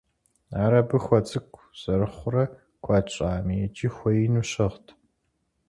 Ар абы хуэцӀыкӀу зэрыхъурэ куэд щӀами, иджы хуэину щыгът.